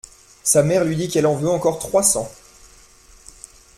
Sa mère lui dit qu'elle en veut encore trois cents.